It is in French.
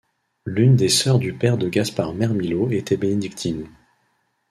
L’une des sœurs du père de Gaspard Mermillod était bénédictine.